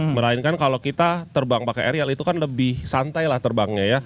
melainkan kalau kita terbang pakai ariel itu kan lebih santai lah terbangnya ya